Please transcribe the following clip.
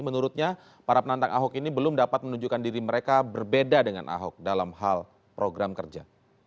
menurutnya para penantang ahok ini belum dapat menunjukkan diri mereka berbeda dengan ahok dalam hal program kerja